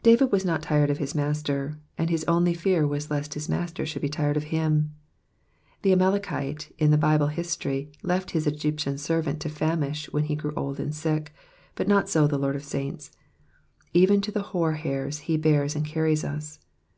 ^^ David was not tired of hia Master, and bis only fear was lest his Master should be tired of him. The Amalekite in the Bible history left his Egyptian servant to famish when he grew old and sick, but not so the Lord of saints ; even to hoar hairs he bears and carries us.